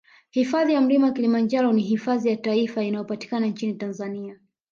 Hifadhi ya Mlima Kilimanjaro ni hifadhi ya taifa inayopatikana nchini Tanzania